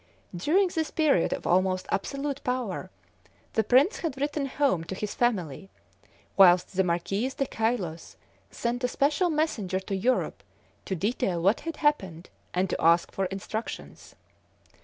During this period of almost absolute power, the prince had written home to his family, whilst the Marquis de Caylus sent a special messenger to Europe to detail what had happened, and to ask for instructions.